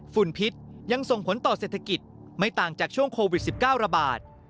พิษยังส่งผลต่อเศรษฐกิจไม่ต่างจากช่วงโควิด๑๙ระบาด